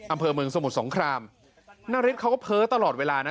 อำเภอเมืองสมุทรสงครามนาริสเขาก็เพ้อตลอดเวลานะ